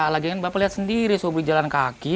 lagian bapak lihat sendiri sobri jalan kaki